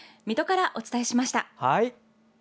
水戸からお伝えしました。